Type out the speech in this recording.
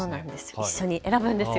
一緒に選ぶんですよ。